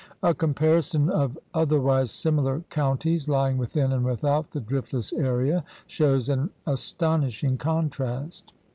A comparison of other wise similar counties lying within and without the driftless area shows an astonishing contrast.